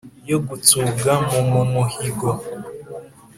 Yo gukskubwa mu mu muhigo!